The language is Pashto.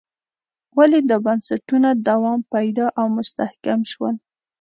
ولې دا بنسټونه دوام پیدا او مستحکم شول.